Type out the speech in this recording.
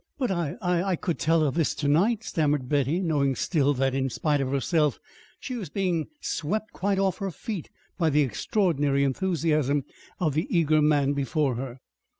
"But I I could tell her this to night," stammered Betty, knowing still that, in spite of herself, she was being swept quite off her feet by the extraordinary enthusiasm of the eager man before her.